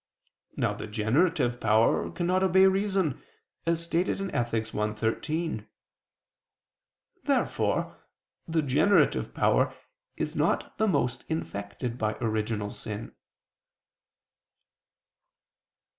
Now the generative power cannot obey reason, as stated in Ethic. i, 13. Therefore the generative power is not the most infected by original sin.